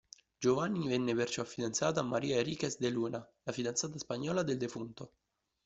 Giovanni venne perciò fidanzato a Maria Enriquez de Luna, la fidanzata spagnola del defunto.